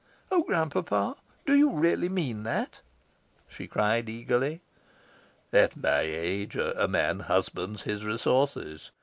"Oh grand papa, do you really mean that?" she cried eagerly. "At my age, a man husbands his resources.